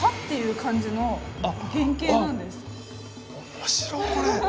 面白いこれ。